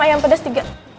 ayam pedas tiga